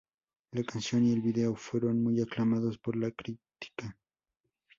La canción y el video fueron muy aclamados por la crítica.